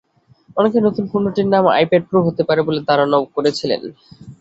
অনেকেই নতুন পণ্যটির নাম আইপ্যাড প্রো হতে পারে বলে ধারণাও করছিলেন।